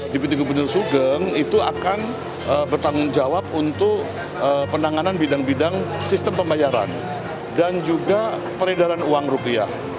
dpd gubernur sugeng itu akan bertanggung jawab untuk penanganan bidang bidang sistem pembayaran dan juga peredaran uang rupiah